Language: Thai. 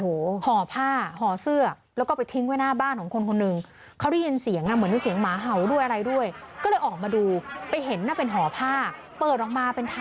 โหห่อผ้าห่อเสื้อแล้วก็ไปทิ้งไว้หน้าบ้านของคนหนึ่ง